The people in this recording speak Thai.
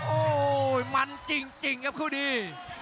โอ้โหมันจริงครับคู่นี้